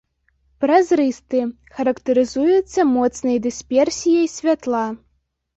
Празрысты, характарызуецца моцнай дысперсіяй святла.